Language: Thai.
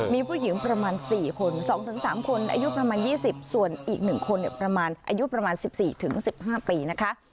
มีผู้หญิงประมาณ๔คน๒๓คนอายุประมาณ๒๐ส่วนอีก๑คนประมาณอายุประมาณ๑๔๑๕ปีนะคะ